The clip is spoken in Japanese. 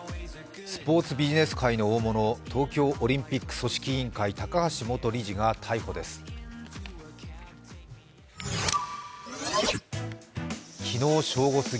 スポーツビジネス界の大物、東京オリンピック組織委員会、高橋元理事が逮捕です。